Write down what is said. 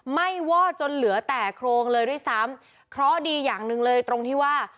้วอดจนเหลือแต่โครงเลยด้วยซ้ำเพราะดีอย่างหนึ่งเลยตรงที่ว่า